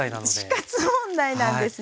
死活問題なんですね。